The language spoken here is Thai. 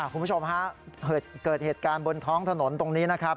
คุณผู้ชมฮะเกิดเหตุการณ์บนท้องถนนตรงนี้นะครับ